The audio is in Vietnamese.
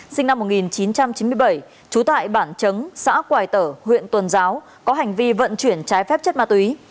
sinh năm một nghìn chín trăm chín mươi bảy trú tại bản chấm xã quài tở huyện tuần giáo có hành vi vận chuyển trái phép chất ma túy